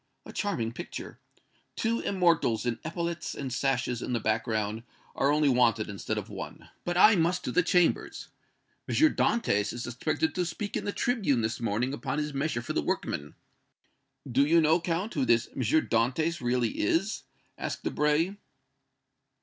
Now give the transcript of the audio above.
A charming picture! Two immortals in epaulets and sashes in the background are only wanted instead of one. But I must to the Chambers. M. Dantès is expected to speak in the tribune this morning upon his measure for the workmen." "Do you know, Count, who this M. Dantès really is?" asked Debray.